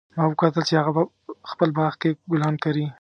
ما وکتل چې هغه په خپل باغ کې ګلان کري